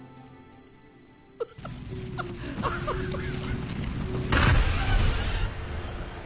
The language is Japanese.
ウハハハハ！ハハハ。